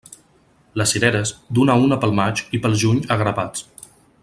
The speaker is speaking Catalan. Les cireres, d'una a una pel maig, i pel juny, a grapats.